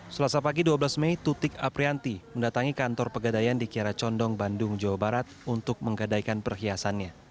selasa pagi dua belas mei tutik aprianti mendatangi kantor pegadaian di kiara condong bandung jawa barat untuk menggadaikan perhiasannya